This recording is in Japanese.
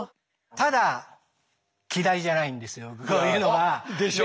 ただ嫌いじゃないんですよこういうのが。でしょ？